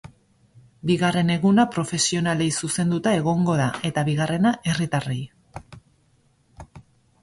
Bigarren eguna profesionalei zuzenduta egongo da, eta, bigarrena, herritarrei.